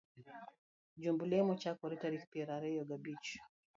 Jumb lemo chakore tarik piero ariyo gabich